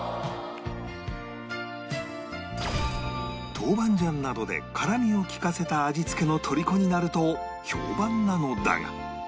豆板醤などで辛みを利かせた味付けのとりこになると評判なのだが